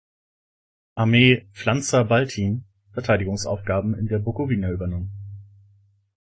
Armee "Pflanzer-Baltin" Verteidigungsaufgaben in der Bukowina übernommen.